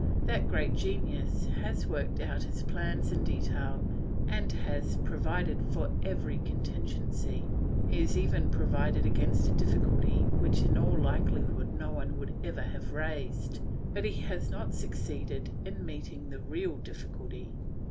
That great genius has worked out his plans in detail and has provided for every contingency; he has even provided against a difficulty which in all likelihood no one would ever have raised; but he has not succeeded in meeting the real difficulty.